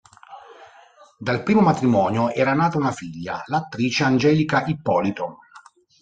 Dal primo matrimonio era nata una figlia, l'attrice Angelica Ippolito.